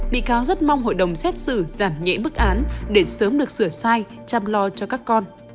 bị cáo rất mong hội đồng xét xử giảm nhẹ bức án để sớm được sửa sai chăm lo cho các con